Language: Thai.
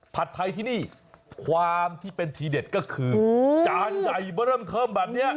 ผัดไทยที่นี่ความที่เป็นทีเด็ดก็คือจานใหญ่มาเริ่มเทิมแบบนี้